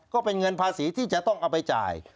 ก็เป็นเงินภาษีที่จะต้องเอาไปจ่าย